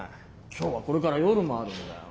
今日はこれから夜もあるんだよ。